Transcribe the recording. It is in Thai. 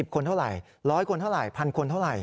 คนเท่าไหร่๑๐๐คนเท่าไหร่๑๐๐คนเท่าไหร